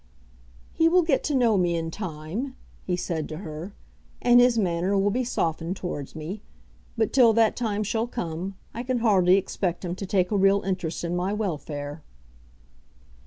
"He will get to know me in time," he said to her, "and his manner will be softened towards me. But till that time shall come, I can hardly expect him to take a real interest in my welfare."